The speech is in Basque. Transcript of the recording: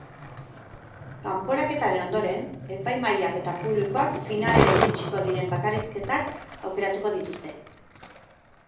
Kanporaketaren ondoren, epai-mahaiak eta publikoak finalera iritsiko diren bakarrizketak aukeratuko dituzte.